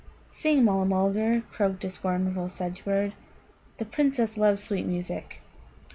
"Sing, Mulla mulgar!" croaked a scornful sedge bird. "The Princess loves sweet music."